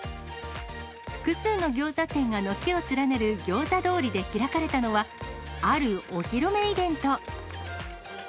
複数のギョーザ店が軒を連ねる餃子通りで開かれたのは、あるお披露目イベント。